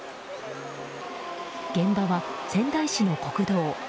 現場は、仙台市の国道。